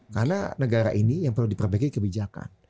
karena negara ini yang perlu diperbaiki kebijakan